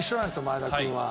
前田君は。